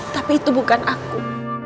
tapi itu bukan aku